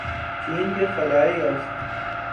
چین کے خلائی اسٹ